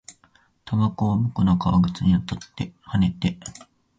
タバコは僕の革靴に当たって、跳ねて、地面の上に転がり、三回回って、止まる